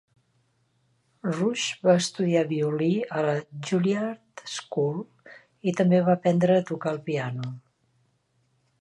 Rush va estudiar violí a la Juilliard School i també va aprendre a tocar el piano.